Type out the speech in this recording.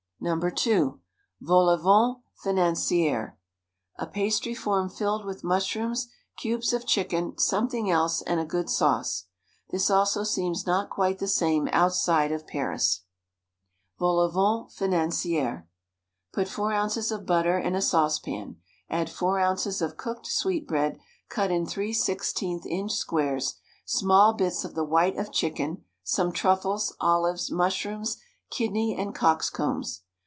No. 2 — ^Vol au Vent Financiere — a pastry form filled with mushrooms, cubes of chicken, something else, and a good sauce. This also seems not quite the same outside of Paris. WRITTEN FOR MEN BY MEN VOL AU VENT FINANCIERS Put four ounces of butter in a saucepan, add four ounces of cooked sweetbread cut in three sixteenth inch squares, small bits of the white of chicken, some truffles, olives, mushrooms, kidney and cock's combs.